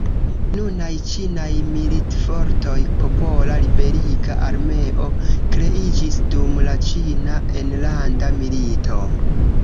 Nunaj Ĉinaj militfortoj, Popola Liberiga Armeo kreiĝis dum la Ĉina enlanda milito.